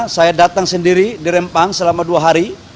saya datang sendiri di rempang selama dua hari